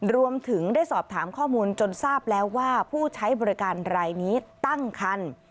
รวมถึงได้สอบถามข้อมูลจนทราบแล้วว่าผู้ใช้บริการรายนี้ตั้งคัน